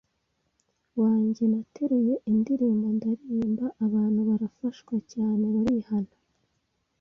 wanjye nateruye indirimbo ndaririmba abantu barafashwa cyane barihana,